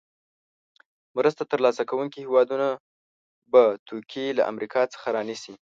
مرسته تر لاسه کوونکې هېوادونه به توکي له امریکا څخه رانیسي.